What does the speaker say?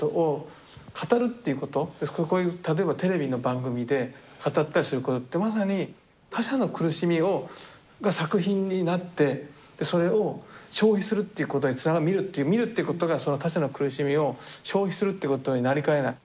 こういう例えばテレビの番組で語ったりすることってまさに他者の苦しみが作品になってそれを消費するっていうことにつながる見るっていうことがその他者の苦しみを消費するっていうことになりかねない。